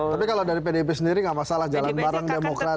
tapi kalau dari pdip sendiri nggak masalah jalan bareng demokrat